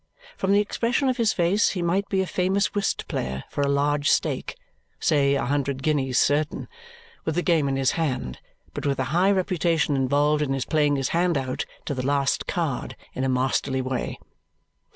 From the expression of his face he might be a famous whist player for a large stake say a hundred guineas certain with the game in his hand, but with a high reputation involved in his playing his hand out to the last card in a masterly way.